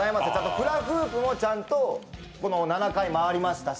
フラフープもちゃんと７回回りましたし。